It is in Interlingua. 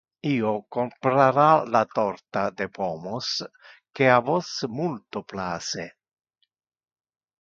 Io comprara le torta de pomos que a vos multo place.